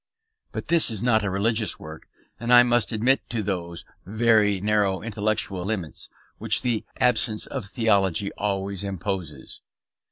But this is not a religious work, and I must submit to those very narrow intellectual limits which the absence of theology always imposes.